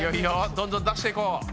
どんどん出していこう。